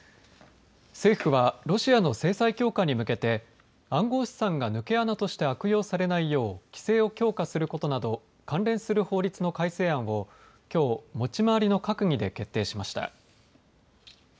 政府はロシアの制裁強化に向けて暗号資産が抜け穴として悪用されないよう規制を強化することなど関連する法律の改正案をきょう持ち回りの閣議で決定しました。